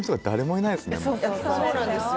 そうなんですよ